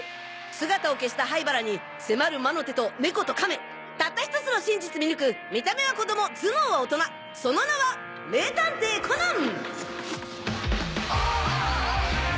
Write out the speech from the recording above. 姿を消した灰原に迫る魔の手と猫とカメたった１つの真実見抜く見た目は子供頭脳は大人その名は名探偵コナン！